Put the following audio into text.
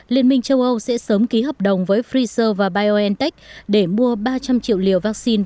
liên minh châu âu sẽ sớm ký hợp đồng với pfizer và biontech để mua ba trăm linh triệu liều vaccine